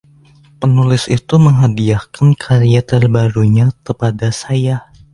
Penulis itu menghadiahkan karya terbarunya kepada saya.